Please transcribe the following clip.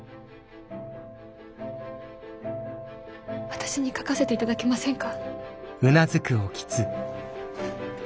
私に書かせて頂けませんか？